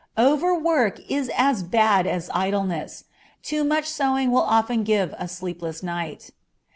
Over work is as bad as idleness; too much sewing will often give a sleepless night.